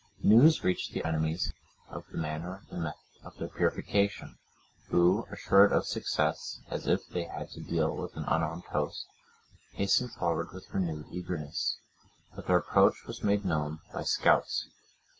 News reached the enemy of the manner and method of their purification,(97) who, assured of success, as if they had to deal with an unarmed host, hastened forward with renewed eagerness. But their approach was made known by scouts.